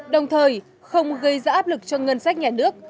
đồng thời không gây ra áp lực cho ngân sách nhà nước